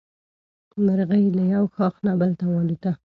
مرغۍ له یو ښاخ نه بل ته والوتله.